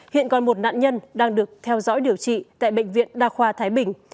hiện còn một nạn nhân đang được theo dõi điều trị tại bệnh viện đa khoa thái bình